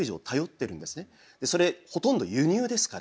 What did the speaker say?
それほとんど輸入ですから。